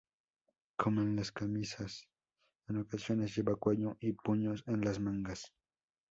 Como en las camisas, en ocasiones, lleva cuello y puños en las mangas.